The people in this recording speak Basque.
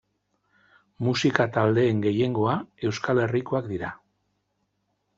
Musika taldeen gehiengoa Euskal Herrikoak dira.